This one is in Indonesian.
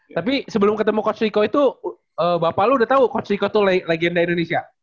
tapi sebelum ketemu coach wiko itu bapak lu udah tahu coach wiko itu legenda indonesia